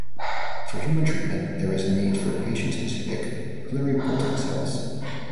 For human treatment, there is a need for patient specific pluripotent cells.